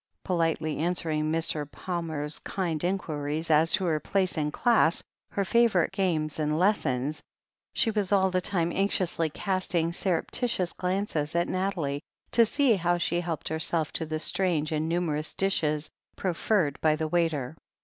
Politely answering Mr. Palmer's kind inquiries as to her place in class, her favourite games and les THE HEEL OF ACHILLES 41 sons, she was all the time anxiously casting surrepti tious glances at Nathalie to see how she helped herself to the strange and numerous dishes prof erred by the waiter.